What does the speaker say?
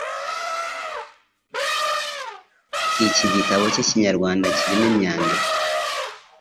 Iki gitabo k'Ikinyarwanda kirimo imyandiko